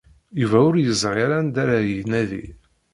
Yuba ur yeẓri ara anda ara inadi.